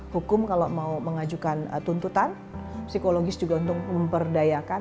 hukum kalau mau mengajukan tuntutan psikologis juga untuk memperdayakan